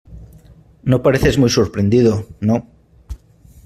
no pareces muy sorprendido, no.